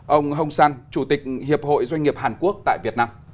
ông hong săn chủ tịch hiệp hội doanh nghiệp hàn quốc tại việt nam